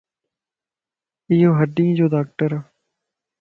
ايو ھڏين جو ڊاڪٽرَ